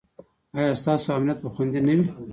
ایا ستاسو امنیت به خوندي نه وي؟